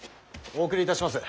お送りいたします。